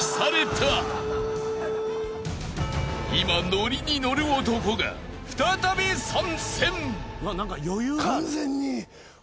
［今ノリに乗る男が再び参戦］